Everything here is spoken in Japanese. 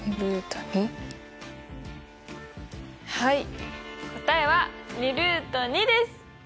はい答えは２です。